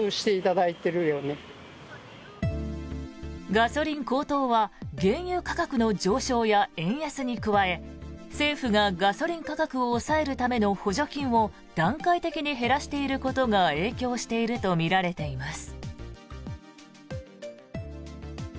ガソリン高騰は原油価格の上昇や円安に加え政府がガソリン価格を抑えるための補助金を段階的に減らしていることが影響しているとみられています。